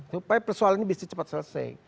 supaya persoalan ini bisa cepat selesai